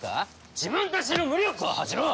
自分たちの無力を恥じろ！